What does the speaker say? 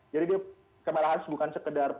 jadi dia kamala harris bukan sekedar perempuan